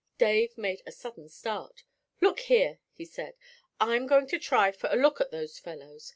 Dave made a sudden start. 'Look here,' he said, 'I'm going to try for a look at those fellows!